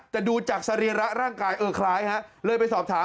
แต่ดูจากสรีระร่างกายเออคล้ายฮะเลยไปสอบถาม